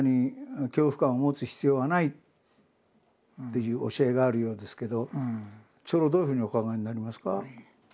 いう教えがあるようですけど長老はどういうふうにお考えになりますか？